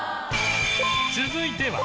続いては